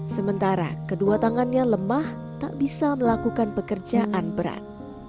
sementara kedua tangannya lemah tak bisa melakukan pekerjaan berat